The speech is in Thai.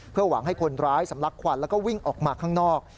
เพื่อหวังให้คนร้ายสำลักควันแล้วก็วิ่งออกมาข้างนอก